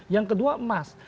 yang kedua emas